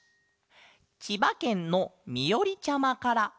ちばけんのみおりちゃまから。